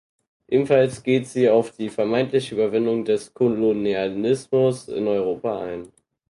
Ebenfalls geht sie auf die vermeintliche Überwindung des Kolonialismus in Europa ein.